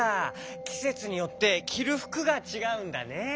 きせつによってきるふくがちがうんだね。